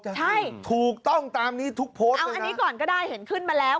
ใช่ถูกต้องตามนี้ทุกคนเอาอันนี้ก่อนก็ได้เห็นขึ้นมาแล้ว